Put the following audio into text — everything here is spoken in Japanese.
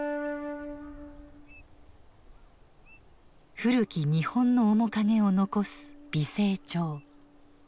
古き日本の面影を残す美星町。